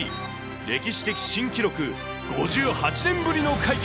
歴史的新記録、５８年ぶりの快挙。